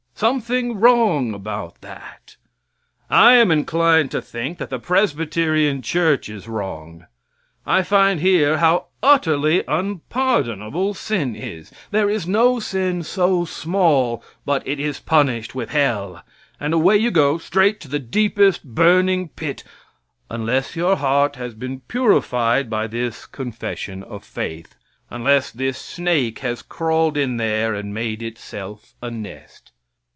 Something wrong about that. I am inclined to think that the Presbyterian church is wrong. I find here how utterly unpardonable sin is. There is no sin so small but it is punished with hell, and away you go straight to the deepest burning pit unless your heart has been purified by this confession of faith unless this snake has crawled in there and made itself a nest.